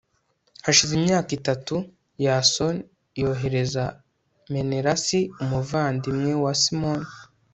hashize imyaka itatu, yasoni yohereza menelasi umuvandimwe wa simoni